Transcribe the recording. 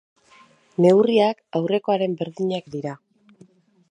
Neurriak aurrekoaren berdinak dira.